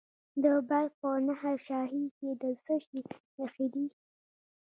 د بلخ په نهر شاهي کې د څه شي نښې دي؟